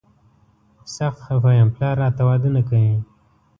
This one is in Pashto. سخت خفه یم، پلار راته واده نه کوي.